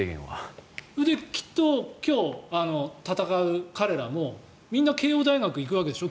きっと今日戦う彼らもみんな慶應大学に行くわけでしょ？